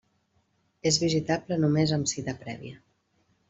És visitable només amb cita prèvia.